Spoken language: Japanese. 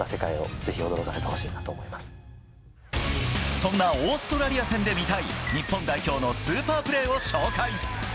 そんなオーストラリア戦で見たい日本代表のスーパープレーを紹介。